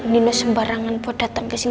nino sembarangan buat dateng kesini